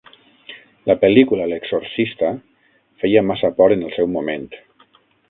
La pel·lícula "L'exorcista" feia massa por en el seu moment.